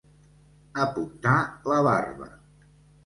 Apuntar la barba.